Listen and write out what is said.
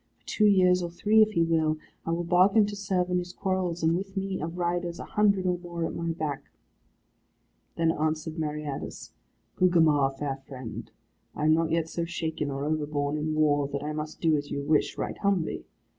For two years, or three, if he will, I will bargain to serve in his quarrels, and with me, of riders, a hundred or more at my back." Then answered Meriadus, "Gugemar, fair friend, I am not yet so shaken or overborne in war, that I must do as you wish, right humbly.